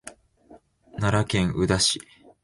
奈良県宇陀市